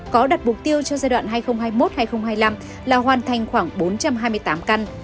có đặt mục tiêu cho giai đoạn hai nghìn hai mươi một hai nghìn hai mươi năm là hoàn thành khoảng bốn trăm hai mươi tám căn